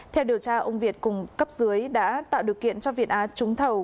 theo điều tra ông việt cùng cấp dưới đã tạo điều kiện cho việt á trúng thầu